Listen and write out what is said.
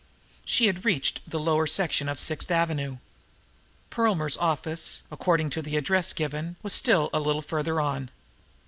She had reached the lower section of Sixth Avenue. Perlmer's office, according to the address given, was still a little farther on.